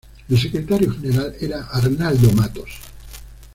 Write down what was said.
El secretario general era Arnaldo Matos.